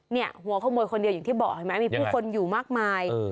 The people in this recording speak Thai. หัวขโมยคนเดียวอย่างที่บอกเห็นไหมมีผู้คนอยู่มากมาย